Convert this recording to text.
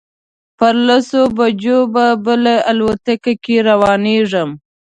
پر لسو بجو به بله الوتکه کې روانېږم.